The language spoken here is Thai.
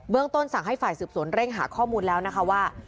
ต้นสั่งให้ฝ่ายสืบสวนเร่งหาข้อมูลแล้วนะคะว่า